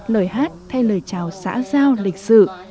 lời hát thay lời chào xã giao lịch sử